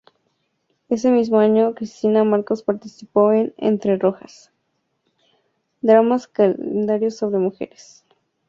Ese mismo año Cristina Marcos participó en "Entre rojas", drama carcelario sobre mujeres.